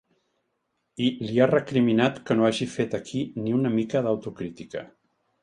I li ha recriminat que no hagi fet aquí ni una mica d’autocrítica.